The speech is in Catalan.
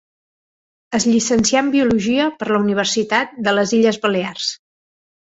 Es llicencià en biologia per la Universitat de les Illes Balears.